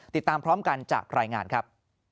ติดตามพร้อมกันจากรายงานครับ